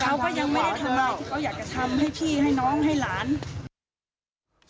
ที่เขาอยากจะทำให้พี่ให้น้องให้หลาน